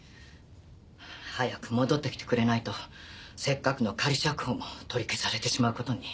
早く戻ってきてくれないとせっかくの仮釈放も取り消されてしまうことに。